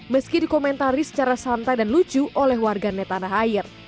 meski dikomentari secara santai dan lucu oleh warganetanah air